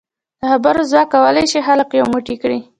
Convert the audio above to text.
د خبرو ځواک کولای شي خلک یو موټی کړي.